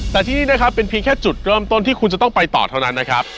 แต่ที่นี่นะครับเป็นเพียงแค่จุดเริ่มต้นที่คุณจะต้องไปต่อเท่านั้นนะครับ